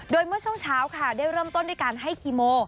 โดยเมื่อช่วงเช้าค่ะได้เริ่มต้นด้วยการให้คีโม